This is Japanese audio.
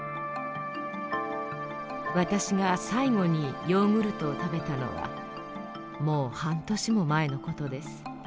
私が最後にヨーグルトを食べたのはもう半年も前の事です。